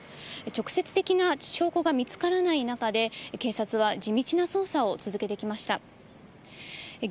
直接的な証拠が見つからない中で、警察は地道な捜査を続けてきました。